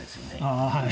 ああはい。